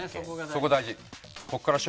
そこ大事。